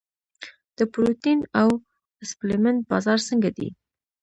د پروټین او سپلیمنټ بازار څنګه دی؟